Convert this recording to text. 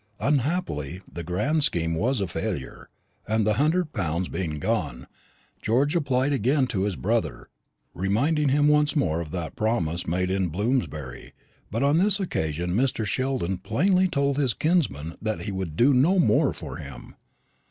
Unhappily the grand scheme was a failure; and the hundred pounds being gone, George applied again to his brother, reminding him once more of that promise made in Bloomsbury. But on this occasion Mr. Sheldon plainly told his kinsman that he could do no more for him.